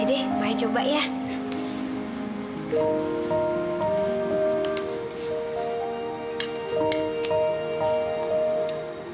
mas ini makanannya banyak banget ini buat kita semua